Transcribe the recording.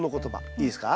いいですか。